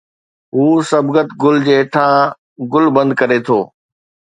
هو صبغت گل جي هيٺان گل بند ڪري ٿو